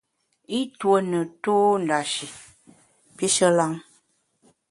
I ntue ne tô ndashi pishe lam.